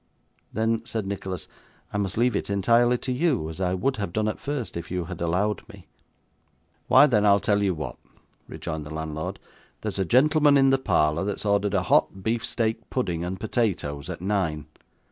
'Then,' said Nicholas, 'I must leave it entirely to you, as I would have done, at first, if you had allowed me.' 'Why, then I'll tell you what,' rejoined the landlord. 'There's a gentleman in the parlour that's ordered a hot beef steak pudding and potatoes, at nine.